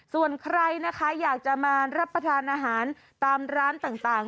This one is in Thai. ส่วนใครนะคะอยากจะมารับประทานอาหารตามร้านต่าง